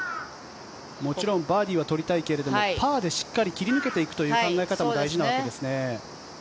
もちろんバーディーは取りたいけれどもパーでしっかり切り抜けていくという考え方も大事なわけですね。